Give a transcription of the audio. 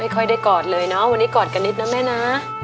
ค่อยได้กอดเลยเนาะวันนี้กอดกันนิดนะแม่นะ